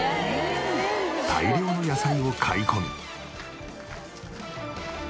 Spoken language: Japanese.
大量の野菜を買い込み。